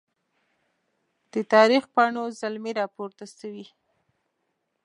د تاریخ پاڼو زلمي راپورته سوي